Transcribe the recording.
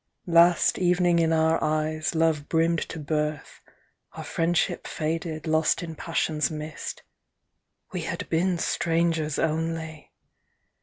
Last evening in our eyes love brimmed to birth ; Our friendship faded, lost in passion's mist. We had been strangers only